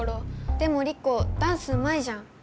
でもリコダンスうまいじゃん。